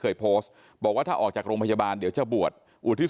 เคยโพสต์บอกว่าถ้าออกจากโรงพยาบาลเดี๋ยวจะบวชอุทิศ